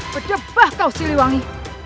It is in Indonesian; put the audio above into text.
berdebah kau siliwangi